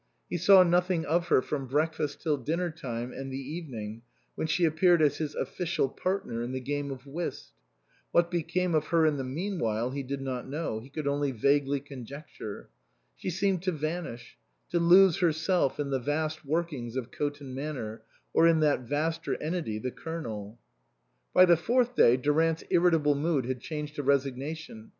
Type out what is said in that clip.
He saw nothing of her from break fast till dinner time and the evening, when she appeared as his official partner in the game of whist. What became of her in the meanwhile he did not know ; he could only vaguely conjec ture. She seemed to vanish, to lose herself in the vast workings of Coton Manor, or in that vaster entity, the Colonel. By the fourth day Durant's irritable mood had changed to resignation.